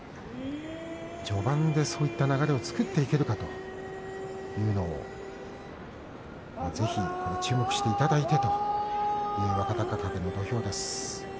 序盤でそういった流れを作っていけるかというのにぜひ注目していただいてという若隆景の土俵です。